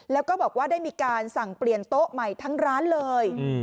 แล้วก็บอกว่าได้มีการสั่งเปลี่ยนโต๊ะใหม่ทั้งร้านเลย